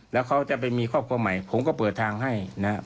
แล้วเขาจะไปมีครอบครัวใหม่ผมก็เปิดทางให้นะครับ